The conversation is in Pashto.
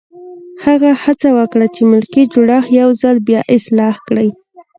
هغه هڅه وکړه چې ملکي جوړښت یو ځل بیا اصلاح کړي.